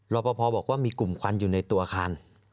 รอปภบอกว่ามีกลุ่มควันอยู่ในตัวอาคาร